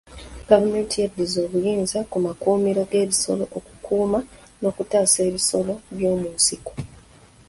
Gavumenti yeddiza obuyinza ku makuumiro g'ebisolo okukuuma n'okutaasa ebisolo by'omu nsiko.